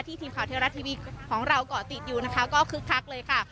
ทีมข่าวเทวรัฐทีวีของเราเกาะติดอยู่นะคะก็คึกคักเลยค่ะ